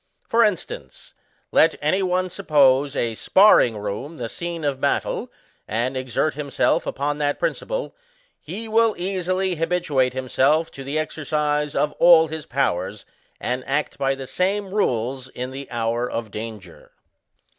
For instance, let any one suppose a SPARRING ROOM the sccue of battle, and exert him self upon that principle, he will easily habituate him self to the exercise of all his powers, and act by the same rules in the hour of danger.